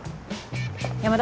山田。